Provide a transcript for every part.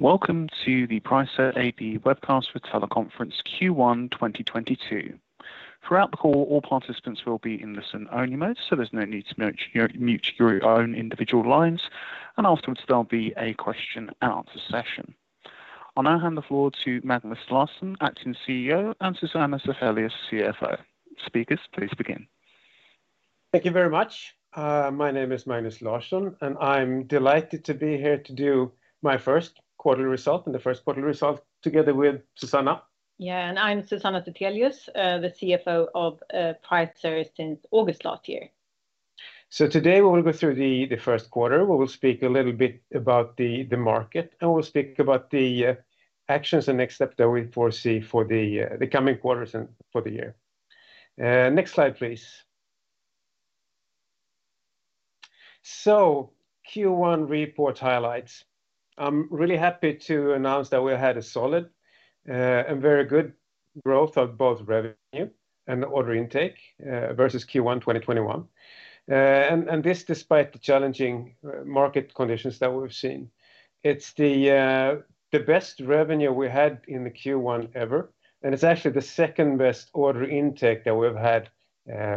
Welcome to the Pricer AB webcast for teleconference Q1 2022. Throughout the call, all participants will be in listen only mode, so there's no need to mute your own individual lines. Afterwards there'll be a question-and-answer session. I'll now hand the floor to Magnus Larsson, Acting CEO, and Susanna Zethelius, CFO. Speakers, please begin. Thank you very much. My name is Magnus Larsson, and I'm delighted to be here to do my first quarterly result and the first quarterly result together with Susanna. Yeah. I'm Susanna Zethelius, the CFO of Pricer since August last year. Today we will go through Q1. We will speak a little bit about the market, and we'll speak about the actions and next step that we foresee for the coming quarters and for the year. Next slide, please. Q1 report highlights. I'm really happy to announce that we had a solid and very good growth of both revenue and order intake versus Q1 2021. This despite the challenging market conditions that we've seen. It's the best revenue we had in the Q1 ever, and it's actually the second-best order intake that we've had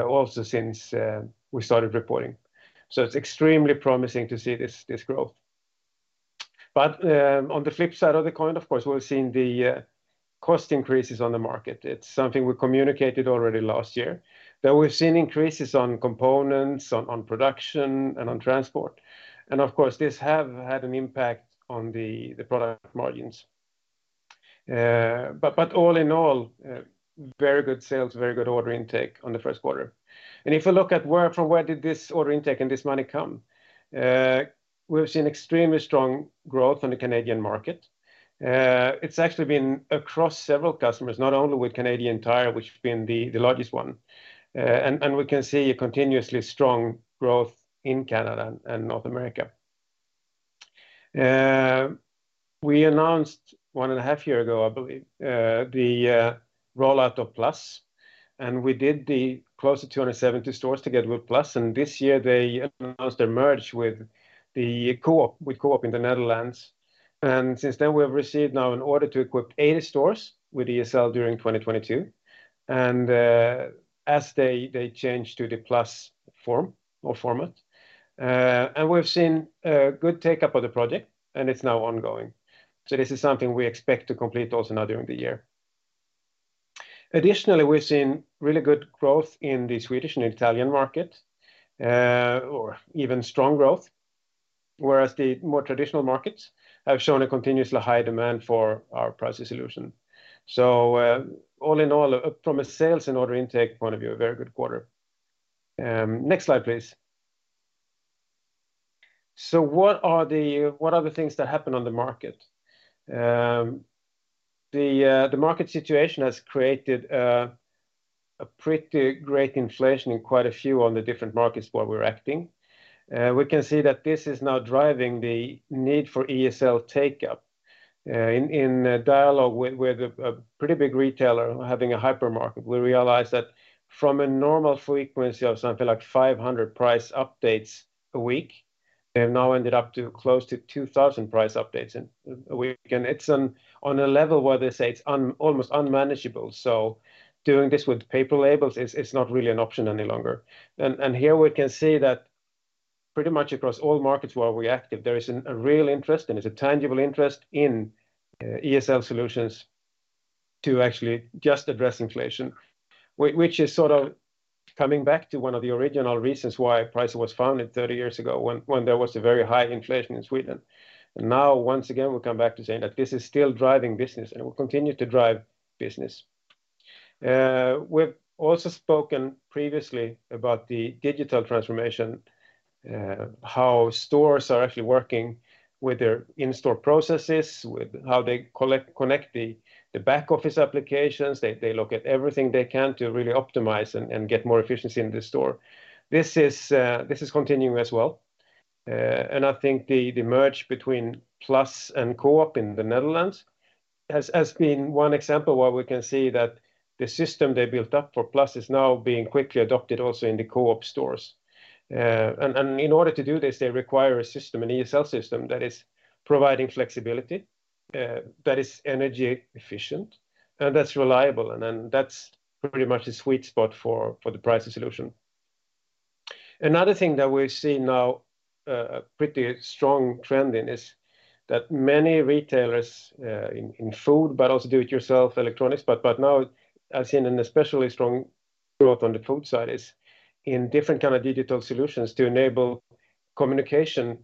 also since we started reporting. It's extremely promising to see this growth. On the flip side of the coin, of course, we've seen the cost increases on the market. It's something we communicated already last year that we've seen increases on components, on production and on transport. Of course, this have had an impact on the product margins. But all in all, very good sales, very good order intake on Q1. If you look at from where did this order intake and this money come, we've seen extremely strong growth on the Canadian market. It's actually been across several customers, not only with Canadian Tire, which has been the largest one. We can see a continuously strong growth in Canada and North America. We announced 1.5 years ago, I believe, the rollout of PLUS, and we did close to 270 stores together with PLUS, and this year they announced their merger with Coop, with Coop in the Netherlands. As they change to the PLUS form or format. We've seen good take-up of the project and it's now ongoing. This is something we expect to complete also now during the year. Additionally, we've seen really good growth in the Swedish and Italian market, or even strong growth, whereas the more traditional markets have shown a continuously high demand for our Pricer solution. All in all, from a sales and order intake point of view, a very good quarter. Next slide please. What are the things that happen on the market? The market situation has created a pretty great inflation in quite a few of the different markets where we're acting. We can see that this is now driving the need for ESL take-up. In a dialogue with a pretty big retailer having a hypermarket, we realize that from a normal frequency of something like 500 price updates a week, they have now ended up to close to 2,000 price updates in a week. It's on a level where they say it's almost unmanageable. Doing this with paper labels, it's not really an option any longer. Here we can see that pretty much across all markets where we're active, there is a real interest and it's a tangible interest in ESL solutions to actually just address inflation. Which is sort of coming back to one of the original reasons why Pricer was founded 30 years ago when there was a very high inflation in Sweden. Now once again, we come back to saying that this is still driving business and will continue to drive business. We've also spoken previously about the digital transformation, how stores are actually working with their in-store processes, with how they collect and connect the back office applications. They look at everything they can to really optimize and get more efficiency in the store. This is continuing as well. I think the merge between PLUS and Coop in the Netherlands has been one example where we can see that the system they built up for PLUS is now being quickly adopted also in the Coop stores. In order to do this, they require a system, an ESL system that is providing flexibility, that is energy efficient and that's reliable. That's pretty much the sweet spot for the Pricer solution. Another thing that we're seeing now a pretty strong trend in is that many retailers in food, but also do it yourself electronics. Now I've seen an especially strong growth on the food side is in different kind of digital solutions to enable communication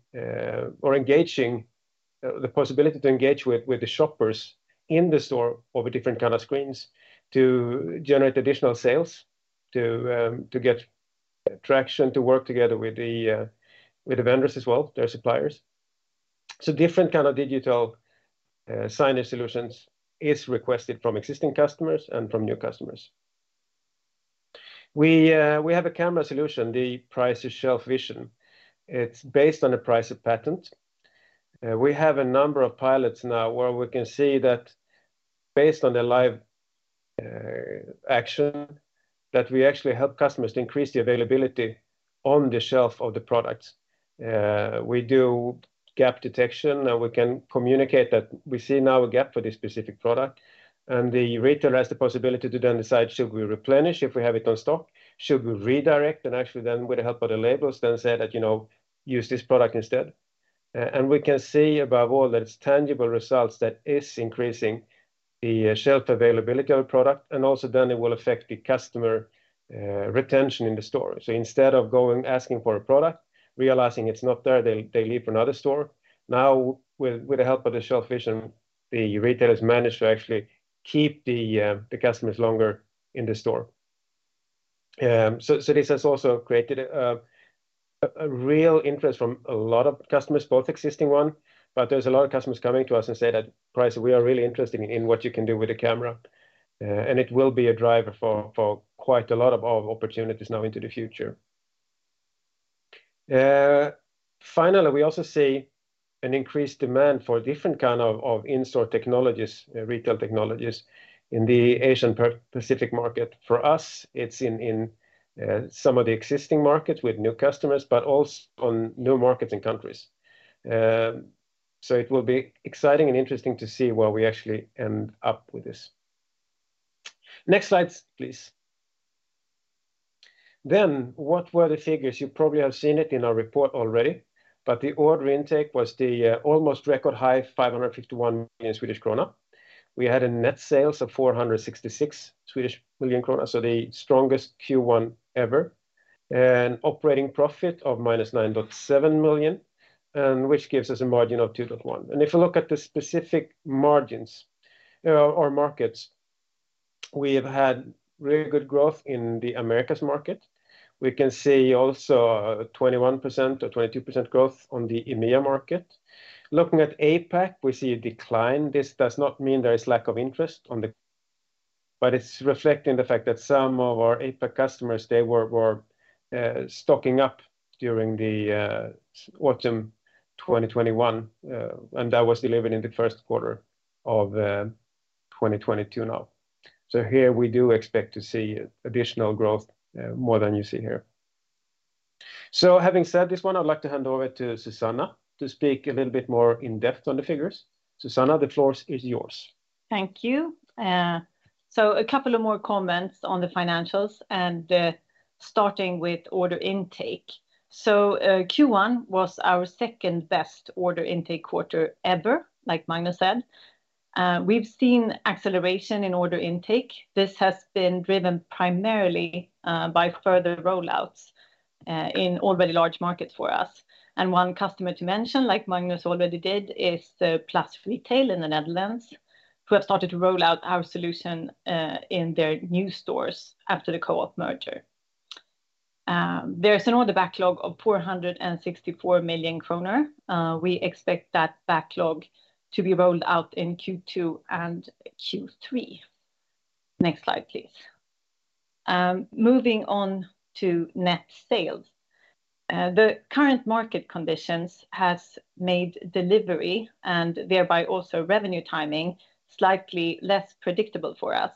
or the possibility to engage with the shoppers in the store over different kind of screens to generate additional sales to get traction to work together with the vendors as well their suppliers. Different kind of digital signage solutions is requested from existing customers and from new customers. We have a camera solution, the Pricer ShelfVision. It's based on a Pricer patent. We have a number of pilots now where we can see that based on the live action that we actually help customers to increase the availability on the shelf of the products. We do gap detection, and we can communicate that we see now a gap for this specific product. The retailer has the possibility to then decide should we replenish if we have it in stock? Should we redirect? Actually then with the help of the labels, then say that, you know, Use this product instead. And we can see above all that it's tangible results that is increasing the shelf availability of product, and also then it will affect the customer retention in the store. Instead of going asking for a product, realizing it's not there, they leave for another store. Now with the help of the ShelfVision, the retailers manage to actually keep the customers longer in the store. This has also created a real interest from a lot of customers, both existing ones, but there's a lot of customers coming to us and say that, Pricer, we are really interested in what you can do with the camera. It will be a driver for quite a lot of our opportunities now into the future. Finally, we also see an increased demand for different kind of in-store technologies, retail technologies in the Asia-Pacific market. For us, it's in some of the existing markets with new customers, but also on new markets and countries. It will be exciting and interesting to see where we actually end up with this. Next slides, please. What were the figures? You probably have seen it in our report already, but the order intake was the almost record high 551 million Swedish krona. We had net sales of 466 million krona, so the strongest Q1 ever. An operating profit of -9.7 million, which gives us a margin of 2.1%. If you look at the specific margins or markets, we have had really good growth in the Americas market. We can see also a 21% or 22% growth on the EMEA market. Looking at APAC, we see a decline. This does not mean there is lack of interest. It's reflecting the fact that some of our APAC customers, they were stocking up during the autumn 2021, and that was delivered in Q1 of 2022 now. Here we do expect to see additional growth, more than you see here. Having said this one, I'd like to hand over to Susanna to speak a little bit more in-depth on the figures. Susanna, the floor is yours. Thank you. A couple of more comments on the financials and, starting with order intake. Q1 was our second-best order intake quarter ever, like Magnus said. We've seen acceleration in order intake. This has been driven primarily by further rollouts in already large markets for us. One customer to mention, like Magnus already did, is the PLUS Retail in the Netherlands, who have started to roll out our solution in their new stores after the Coop merger. There's an order backlog of 464 million kronor. We expect that backlog to be rolled out in Q2 and Q3. Next slide, please. Moving on to net sales. The current market conditions has made delivery and thereby also revenue timing slightly less predictable for us.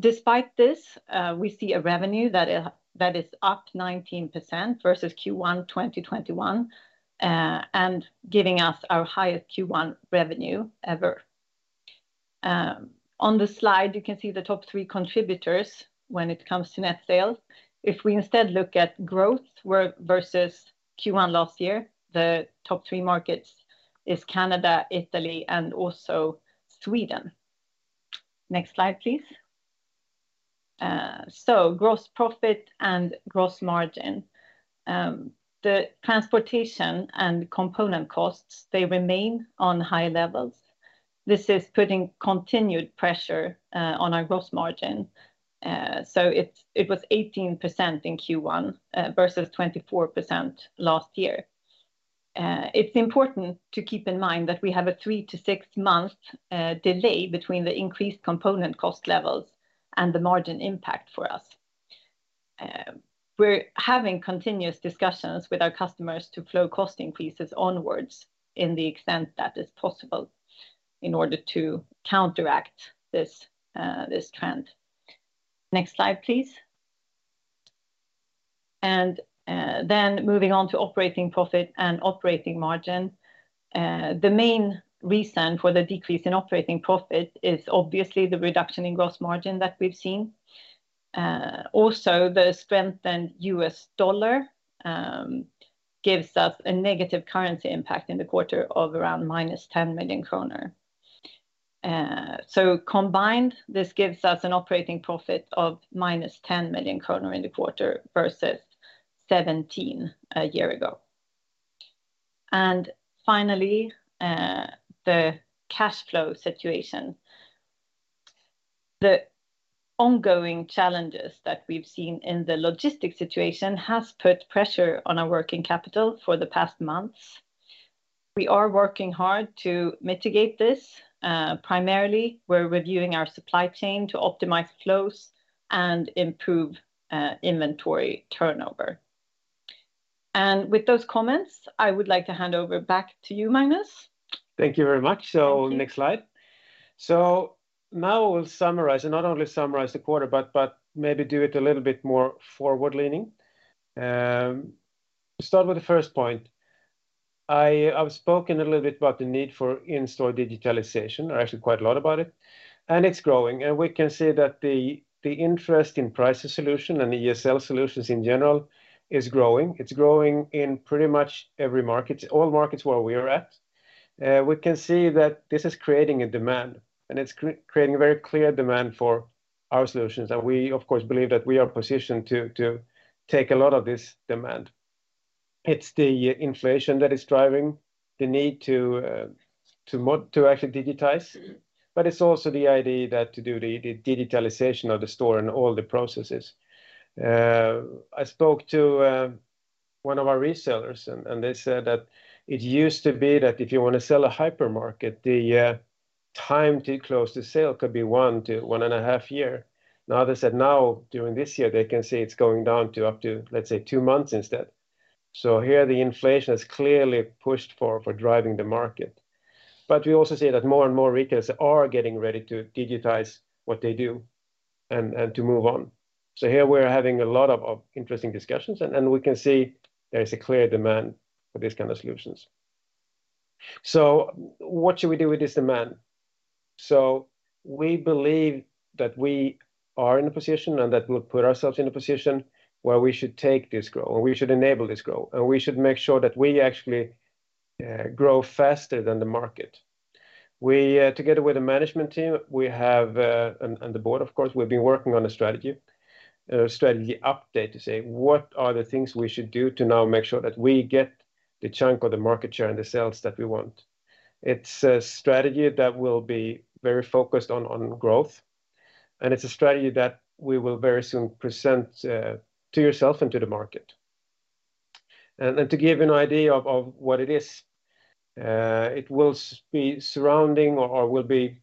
Despite this, we see a revenue that is up 19% versus Q1 2021, and giving us our highest Q1 revenue ever. On the slide, you can see the top three contributors when it comes to net sales. If we instead look at growth versus Q1 last year, the top three markets is Canada, Italy, and also Sweden. Next slide, please. Gross profit and gross margin. The transportation and component costs, they remain on high levels. This is putting continued pressure on our gross margin. It was 18% in Q1 versus 24% last year. It's important to keep in mind that we have a 3-6 month delay between the increased component cost levels and the margin impact for us. We're having continuous discussions with our customers to flow cost increases onwards in the extent that is possible in order to counteract this trend. Next slide, please. Then moving on to operating profit and operating margin. The main reason for the decrease in operating profit is obviously the reduction in gross margin that we've seen. Also the strengthened U.S. dollar gives us a negative currency impact in the quarter of around -10 million kronor. Combined, this gives us an operating profit of -10 million kronor in the quarter versus 17 million a year ago. Finally, the cash flow situation. The ongoing challenges that we've seen in the logistics situation has put pressure on our working capital for the past months. We are working hard to mitigate this. Primarily, we're reviewing our supply chain to optimize flows and improve inventory turnover. With those comments, I would like to hand over back to you, Magnus. Thank you very much. Thank you. Next slide. Now we'll summarize, and not only summarize the quarter, but maybe do it a little bit more forward-leaning. Start with the first point. I've spoken a little bit about the need for in-store digitalization, or actually quite a lot about it, and it's growing. We can see that the interest in Pricer solution and ESL solutions in general is growing. It's growing in pretty much every market, all markets where we are at. We can see that this is creating a demand, and it's creating a very clear demand for our solutions. We, of course, believe that we are positioned to take a lot of this demand. It's the inflation that is driving the need to actually digitize, but it's also the idea that to do the digitalization of the store and all the processes. I spoke to one of our resellers, and they said that it used to be that if you wanna sell a hypermarket, the time to close the sale could be one to one and a half year. Now, they said now, during this year, they can see it's going down to up to, let's say, two months instead. Here, the inflation has clearly pushed for driving the market. We also see that more and more retailers are getting ready to digitize what they do and to move on. Here, we're having a lot of interesting discussions, and we can see there's a clear demand for these kind of solutions. What should we do with this demand? We believe that we are in a position and that we'll put ourselves in a position where we should take this growth, or we should enable this growth, and we should make sure that we actually grow faster than the market. We together with the management team, we have and the board, of course, we've been working on a strategy update to say what are the things we should do to now make sure that we get the chunk of the market share and the sales that we want. It's a strategy that will be very focused on growth, and it's a strategy that we will very soon present to yourself and to the market. Then to give you an idea of what it is, it will be surrounding or will be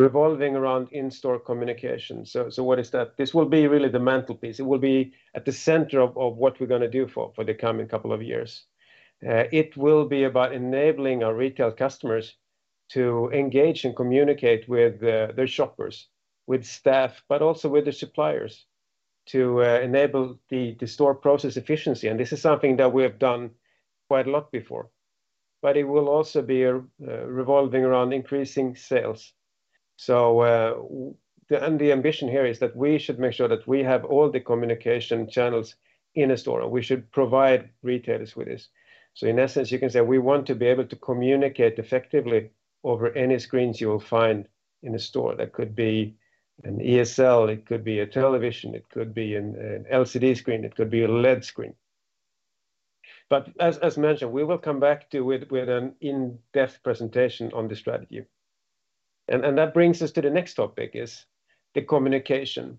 revolving around in-store communication. What is that? This will be really the mantle piece. It will be at the center of what we're gonna do for the coming couple of years. It will be about enabling our retail customers to engage and communicate with their shoppers, with staff, but also with the suppliers to enable the store process efficiency, and this is something that we have done quite a lot before. It will also be revolving around increasing sales. The ambition here is that we should make sure that we have all the communication channels in a store, and we should provide retailers with this. In essence, you can say we want to be able to communicate effectively over any screens you will find in a store. That could be an ESL, it could be a television, it could be an LCD screen, it could be a LED screen. But as mentioned, we will come back to with an in-depth presentation on the strategy. That brings us to the next topic, the communication.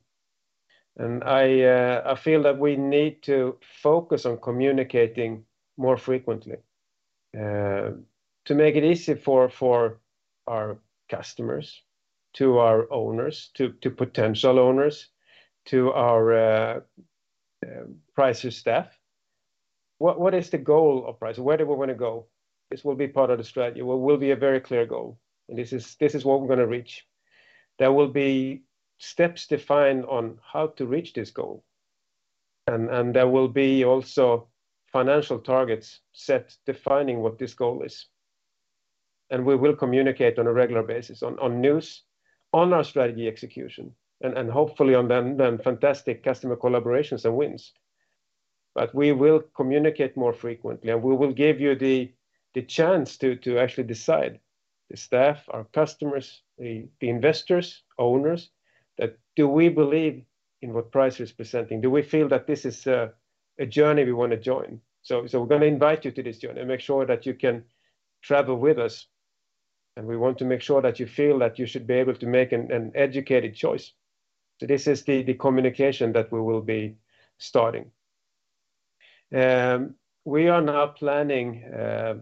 I feel that we need to focus on communicating more frequently to make it easy for our customers, to our owners, to potential owners, to our Pricer staff. What is the goal of Pricer? Where do we wanna go? This will be part of the strategy. Well, it will be a very clear goal, and this is what we're gonna reach. There will be steps defined on how to reach this goal, and there will be also financial targets set defining what this goal is. We will communicate on a regular basis on news, on our strategy execution, and hopefully on the fantastic customer collaborations and wins. We will communicate more frequently, and we will give you the chance to actually decide, the staff, our customers, the investors, owners, that do we believe in what Pricer is presenting? Do we feel that this is a journey we wanna join? We're gonna invite you to this journey and make sure that you can travel with us, and we want to make sure that you feel that you should be able to make an educated choice. This is the communication that we will be starting. We are now planning a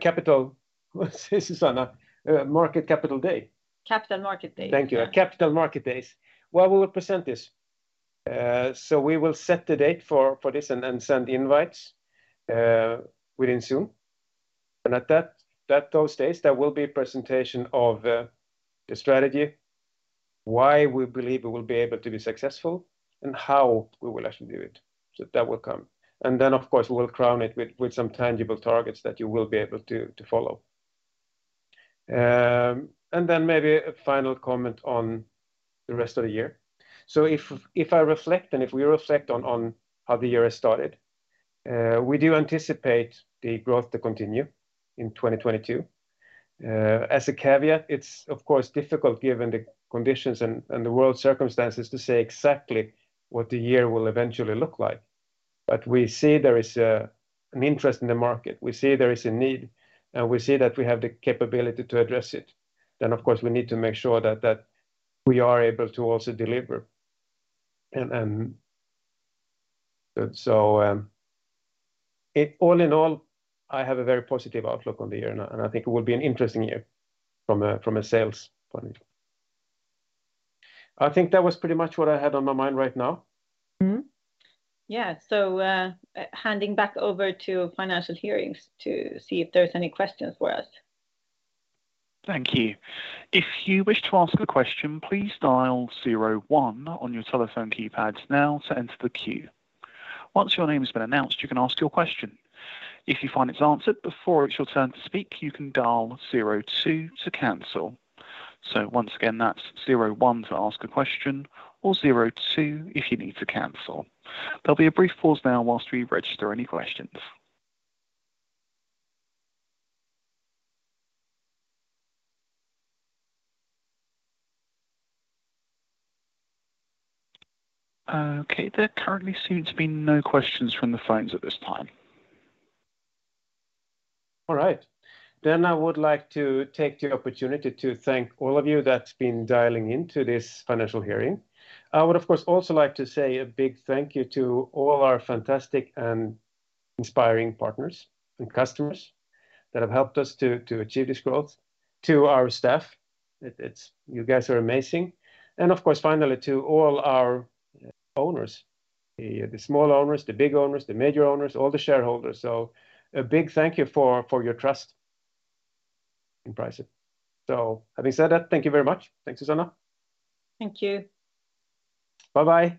Capital Markets Day. Capital Markets Day. Thank you. At Capital Markets Day, where we will present this. We will set the date for this and then send invites soon. At those days, there will be a presentation of the strategy, why we believe we will be able to be successful, and how we will actually do it. That will come. Of course, we will crown it with some tangible targets that you will be able to follow. Maybe a final comment on the rest of the year. If I reflect and if we reflect on how the year has started, we do anticipate the growth to continue in 2022. As a caveat, it's of course difficult given the conditions and the world circumstances to say exactly what the year will eventually look like. We see there is an interest in the market. We see there is a need, and we see that we have the capability to address it. Of course, we need to make sure that we are able to also deliver. All in all, I have a very positive outlook on the year now, and I think it will be an interesting year from a sales point. I think that was pretty much what I had on my mind right now. Handing back over to the operator to see if there's any questions for us. Thank you. If you wish to ask a question, please dial 01 on your telephone keypads now to enter the queue. Once your name has been announced, you can ask your question. If you find it's answered before it's your turn to speak, you can dial 02 to cancel. Once again, that's 01 to ask a question or 02 if you need to cancel. There'll be a brief pause now while we register any questions. Okay. There currently seem to be no questions from the phones at this time. All right. I would like to take the opportunity to thank all of you that's been dialing into this earnings call. I would, of course, also like to say a big thank you to all our fantastic and inspiring partners and customers that have helped us to achieve this growth, to our staff. It's. You guys are amazing. Of course, finally, to all our owners, the small owners, the big owners, the major owners, all the shareholders. A big thank you for your trust in Pricer. Having said that, thank you very much. Thanks, Susanna. Thank you. Bye-bye.